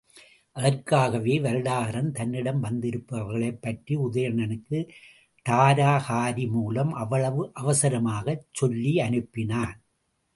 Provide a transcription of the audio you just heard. அதற்காகவே வருடகாரன் தன்னிடம் வந்திருப்பவர்களைப் பற்றி உதயணனுக்குத் தாரகாரி மூலம் அவ்வளவு அவசரமாகச் சொல்லி அனுப்பினான்.